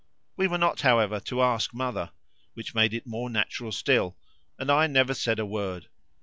We were not, however, to ask mother which made it more natural still, and I said never a word.